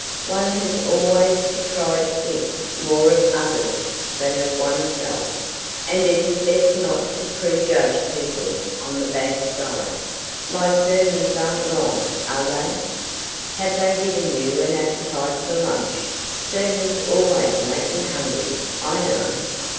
One has always to try to think more of others than of oneself, and it is best not to prejudge people on the bad side. My sermons aren't long, are they? Have they given you an appetite for lunch? Sermons always make me hungry, I know."